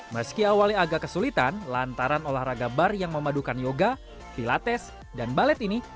meski awalnya agak kesulitan lantaran olahraga bar yang memadukan yoga pilates dan balet ini